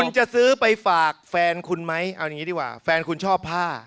คุณจะซื้อไปฝากแฟนคุณไหมเอาอย่างนี้ดีกว่าแฟนคุณชอบผ้า